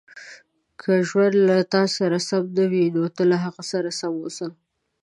• که ژوند له تا سره سم نه وي، ته له هغه سره سم اوسه.